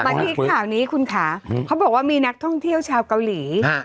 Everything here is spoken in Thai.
ที่ข่าวนี้คุณค่ะเขาบอกว่ามีนักท่องเที่ยวชาวเกาหลี